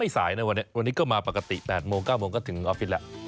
ไม่สายนะวันนี้วันนี้ก็มาปกติ๘๙โมงก็ถึงออฟฟิศละ